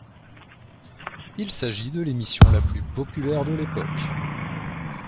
Il s'agit de l'émission la plus populaire de l'époque.